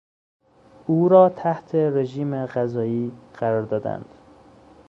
او را تحت رژیم غذایی قرار دادند.